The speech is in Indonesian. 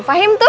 fahim fahim tuh